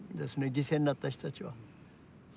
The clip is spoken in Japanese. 犠牲になった人たちは。